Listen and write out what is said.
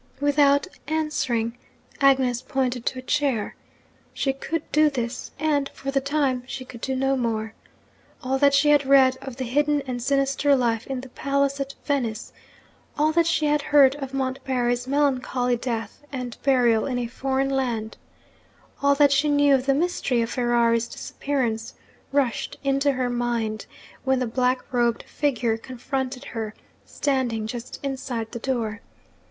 Without answering, Agnes pointed to a chair. She could do this, and, for the time, she could do no more. All that she had read of the hidden and sinister life in the palace at Venice; all that she had heard of Montbarry's melancholy death and burial in a foreign land; all that she knew of the mystery of Ferrari's disappearance, rushed into her mind, when the black robed figure confronted her, standing just inside the door.